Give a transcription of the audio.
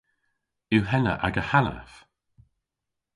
Yw henna aga hanaf?